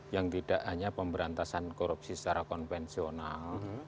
yang tidak hanya pemberantasan korupsi secara konvensional